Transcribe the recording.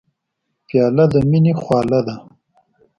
پیاله د مینې خواله ده.